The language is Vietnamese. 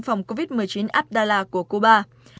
phòng covid một mươi chín adala của cuba